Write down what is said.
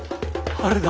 あれだ！